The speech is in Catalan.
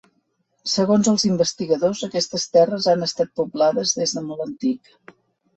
Segons els investigadors aquestes terres han estat poblades des de molt antic.